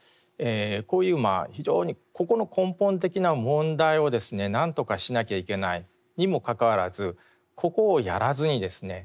こういうまあ非常にここの根本的な問題をですね何とかしなきゃいけないにもかかわらずここをやらずにですね